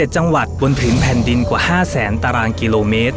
๗จังหวัดบนผืนแผ่นดินกว่า๕แสนตารางกิโลเมตร